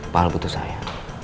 pak al butuh saya